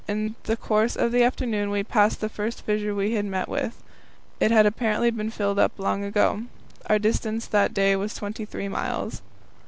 In the course of the afternoon we passed the first fissure we had met with. It had apparently been filled up long ago. Our distance that day was twenty three miles.